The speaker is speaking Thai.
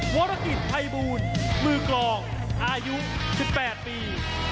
วรกิจภัยบูลมือกลองอายุ๑๘ปี